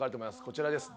こちらです。